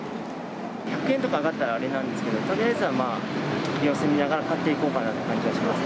１００円とか上がったらあれなんですけど、とりあえずはまあ、様子見ながら買っていこうかなっていう感じはします。